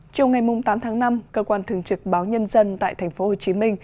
trong ngày tám tháng năm cơ quan thường trực báo nhân dân tại tp hcm